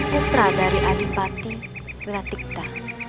putra dari adipati beratikta